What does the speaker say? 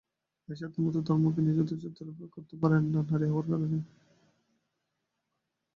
এরশাদের মতো ধর্মকে নিয়ে যথেচ্ছাচার তাঁরা করতে পারেননি, নারী হওয়ার কারণেই।